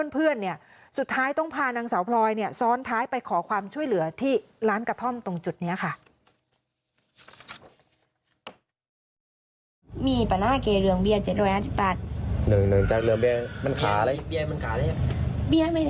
เพื่อนเนี่ยสุดท้ายต้องพานางสาวพลอยเนี่ยซ้อนท้ายไปขอความช่วยเหลือที่ร้านกระท่อมตรงจุดนี้ค่ะ